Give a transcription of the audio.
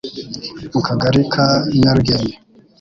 mu Kagari ka Nyarugenge